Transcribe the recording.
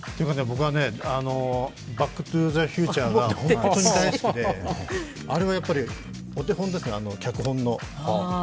僕は「バック・トゥ・ザ・フューチャー」が本当に大好きであれはやっぱり、お手本ですね、脚本の。